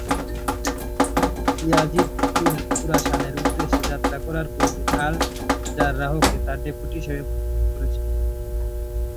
Yazid খোরাসানের উদ্দেশ্যে যাত্রা করার পূর্বে আল-জাররাহকে তার ডেপুটি হিসেবে মনোনীত করেছিলেন।